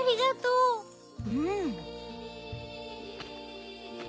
うん。